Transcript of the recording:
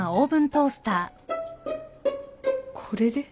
これで？